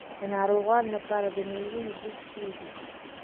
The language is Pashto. د ناروغانو لپاره د میوو اوبه ښې دي.